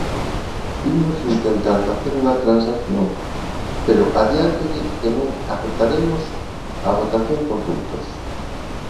Imos intentar facer unha transacción, pero adiántolle que non aceptaremos a votación por puntos.